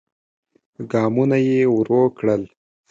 ګامونه يې ورو کړل.